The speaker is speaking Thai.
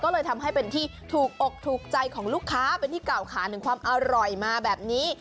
ก็เลยทำให้เป็นที่ถูกอกถูกใจของลูกค้าเป็นที่เก่าขานถึงความอร่อยมาแบบนี้